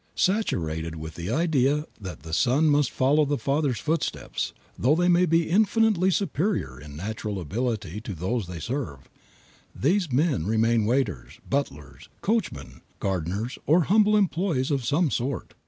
Saturated with the idea that the son must follow in the father's footsteps, though they may be infinitely superior in natural ability to those they serve, these men remain waiters, butlers, coachmen, gardeners or humble employees of some sort.